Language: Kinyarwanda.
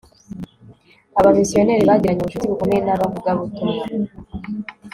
abamisiyonari bagiranye ubucuti bukomeye n'abavugabutumwa